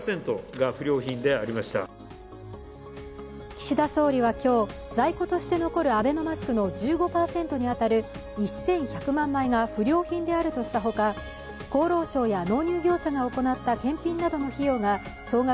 岸田総理は今日、在庫として残るアベノマスクの１５％に当たる１１００万枚が不良品であるとしたほか、厚労省や納入業者が行った検品などの費用が総額